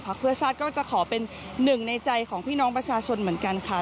เพื่อชาติก็จะขอเป็นหนึ่งในใจของพี่น้องประชาชนเหมือนกันค่ะ